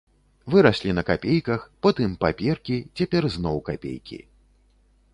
Выраслі на капейках, потым паперкі, цяпер зноў капейкі.